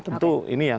tentu ini yang menjadi